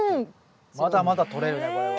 まだまだとれるねこれは。